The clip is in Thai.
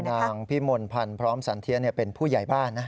นางพิมลพันธ์พร้อมสันเทียนเป็นผู้ใหญ่บ้านนะ